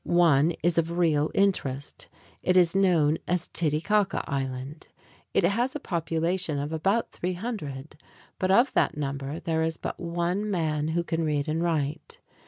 One is of real interest. It is known as Titicaca Island. It has a population of about 300, but of that number there is but one man who can read and write.